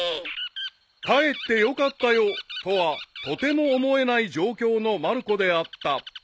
［かえってよかったよとはとても思えない状況のまる子であった］